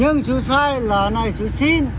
nhưng chú sai là này chú xin